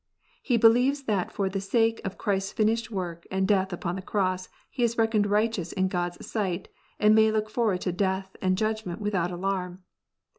He believes that for the sake of^ Christ s finished work and death upon the cross he is reckoned righteous in God s sight, and may look forward to death and^ ^judgment without alarm.